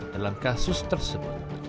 dalam kasus tersebut